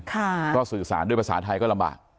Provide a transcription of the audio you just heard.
ก็สื่อสารด้วยภาษาไทยก็ลำบาก